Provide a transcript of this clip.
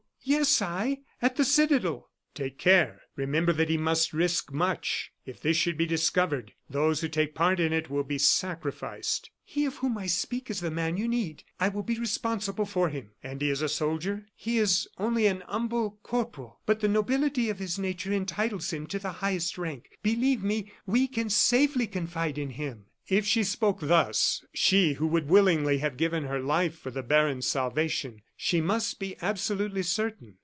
"Yes, I. At the citadel." "Take care! Remember that he must risk much. If this should be discovered, those who take part in it will be sacrificed." "He of whom I speak is the man you need. I will be responsible for him." "And he is a soldier?" "He is only an humble corporal; but the nobility of his nature entitles him to the highest rank. Believe me, we can safely confide in him." If she spoke thus, she who would willingly have given her life for the baron's salvation, she must be absolutely certain.